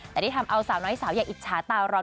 แต่ที่ทำเอาสาวน้อยสาวอย่างอิจฉาตาร้อน